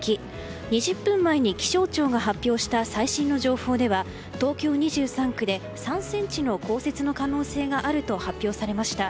２０分前に気象庁が発表した最新の情報では東京２３区で、３ｃｍの降雪の可能性があると発表されました。